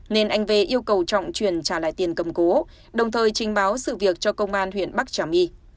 nên anh v yêu cầu trọng chuyển trả lại tiền cầm cố đồng thời trình báo sự việc cho công an huyện bắc trà my